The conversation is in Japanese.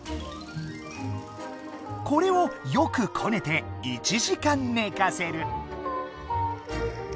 これをよくこねて１時間寝かせる。